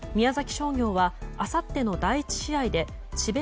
商業はあさっての第１試合で智弁